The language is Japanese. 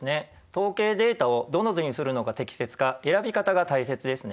統計データをどの図にするのが適切か選び方が大切ですね。